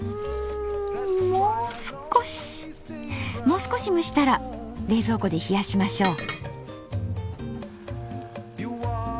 もう少し蒸したら冷蔵庫で冷やしましょう。